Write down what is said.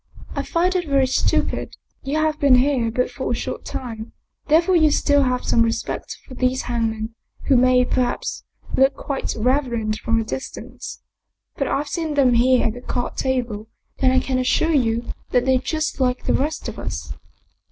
" I find it very stupid. You have been here but for a short time, therefore you still have some respect for these hangmen, who may, perhaps, look quite reverend from a distance. But I've seen them here at the card table and I can assure you that they're just like the rest of us."